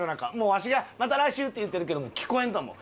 わしが「また来週」って言ってるけど聞こえんと思う。